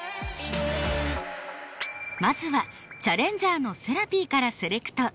まずはチャレンジャーのせらぴーからセレクト。